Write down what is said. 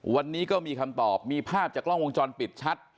วันนี้ก็มีคำตอบมีภาพจากกล้องวงจรปิดชัด